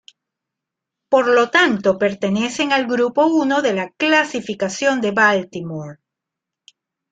Por lo tanto pertenecen al Grupo I de la Clasificación de Baltimore.